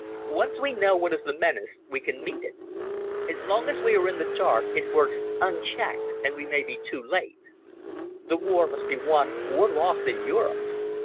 Once we know what is the menace we can meet it. As long as we are in the dark it works unchecked and we may be too late. The war must be won or lost in Europe.